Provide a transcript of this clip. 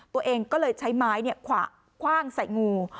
ตัวเองก็เลยใช้ไม้คว่างใส่งู